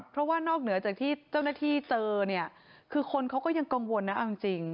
เพราะว่านอกเหนือจากที่เจ้าหน้าที่เจอเนี่ยคือคนเขาก็ยังกังวลนะเอาจริง